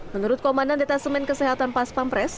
menurut komandan data semen kesehatan pas pampres